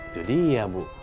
itu dia bu